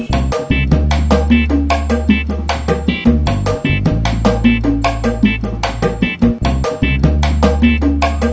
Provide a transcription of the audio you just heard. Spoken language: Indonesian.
bagaimana kalau aku mau pegang nama